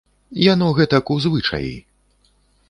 Яно гэтак у звычаі.